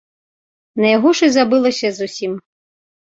На яго ж і забылася зусім.